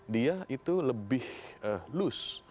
dia itu lebih lus